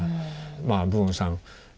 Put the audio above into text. まあプオンさん